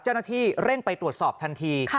เจ้าหน้าที่เร่งไปตรวจสอบทันที